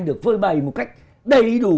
được phơi bày một cách đầy đủ